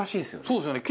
そうですよね。